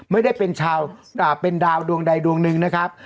ไม่ได้เป็นชาวเป็นดาวดวงใดดวงหนึ่งนะครับ